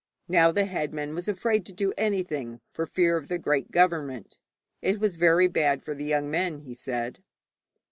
Now the headman was afraid to do anything, for fear of the great government. It was very bad for the young men, he said.